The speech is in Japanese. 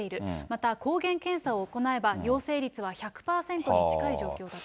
また抗原検査を行えば、陽性率は１００％に近い状況だと。